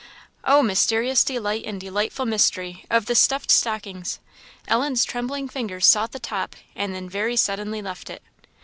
Oh, mysterious delight, and delightful mystery, of the stuffed stocking! Ellen's trembling fingers sought the top, and then very suddenly left it.